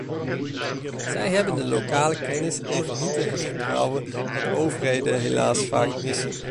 Zij hebben de lokale kennis en genieten het vertrouwen dat overheden helaas vaak missen.